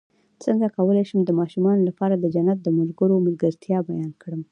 څنګه کولی شم د ماشومانو لپاره د جنت د ملګرو ملګرتیا بیان کړم